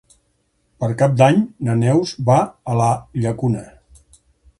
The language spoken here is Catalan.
Per Cap d'Any na Neus va a la Llacuna.